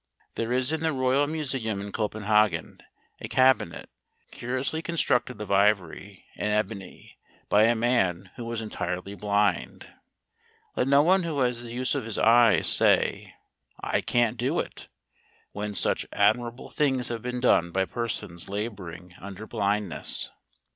There is in the Royal Museum in Copenhagen a cabinet, curiously constructed of ivory and ebony, by a man who was entirely blind. Let no one who has the use of his eyes say, " I can't do it;" when such admirable things have been done by persons labouring under blindness.